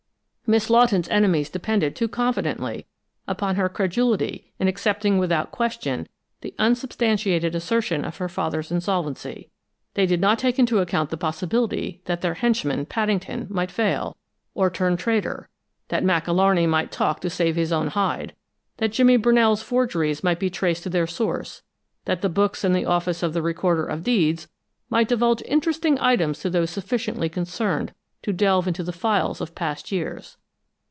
Miss Lawton's enemies depended too confidently upon her credulity in accepting without question the unsubstantiated assertion of her father's insolvency. They did not take into account the possibility that their henchman, Paddington, might fail, or turn traitor; that Mac Alarney might talk to save his own hide; that Jimmy Brunell's forgeries might be traced to their source; that the books in the office of the Recorder of Deeds might divulge interesting items to those sufficiently concerned to delve into the files of past years!